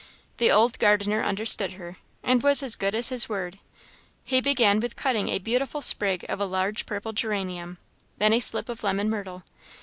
The old gardener understood her, and was as good as his word. He began with cutting a beautiful sprig of a large purple geranium, then a slip of lemon myrtle.